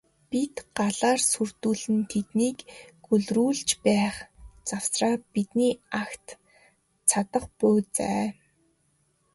Бид галаар сүрдүүлэн тэднийг гөлрүүлж байх завсраа бидний агт цадах буй за.